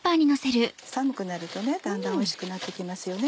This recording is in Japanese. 寒くなるとだんだんおいしくなって来ますよね。